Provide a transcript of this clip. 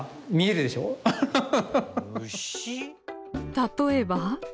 例えば？